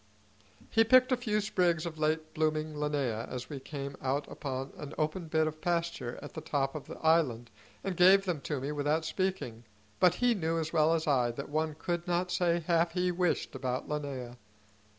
He picked a few sprigs of late blooming linnaea as we came out upon an open bit of pasture at the top of the island, and gave them to me without speaking, but he knew as well as I that one could not say half he wished about linnaea.